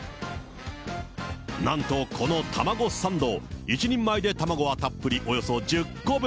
なんと、このタマゴサンド、一人前で卵はたっぷりおよそ１０個分。